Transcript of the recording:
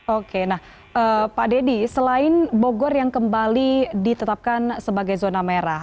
oke nah pak deddy selain bogor yang kembali ditetapkan sebagai zona merah